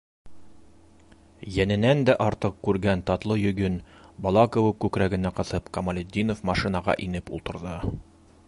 Йәненән дә артыҡ күргән татлы йөгөн бала кеүек күкрәгенә ҡыҫып, Камалетдинов машинаға инеп ултырҙы.